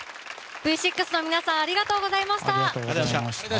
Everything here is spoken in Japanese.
Ｖ６の皆さんありがとうございました。